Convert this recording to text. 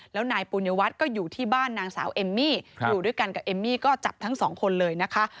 แล้วนายปุญญวัฒน์ก็อยู่ที่บ้านนางสาวเอมมี่อยู่ด้วยกันกับเอมมี่ก็จับทั้งสองคนเลยนะคะ